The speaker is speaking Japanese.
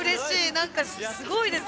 何かすごいです。